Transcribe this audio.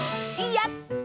やった！